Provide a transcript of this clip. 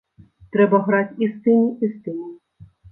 Трэба граць і з тымі, і з тымі.